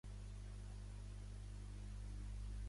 Quan fa banyes el sol, mariner, més que pluja vol.